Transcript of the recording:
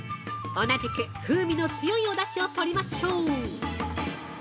同じく風味の強いお出汁を取りましょう。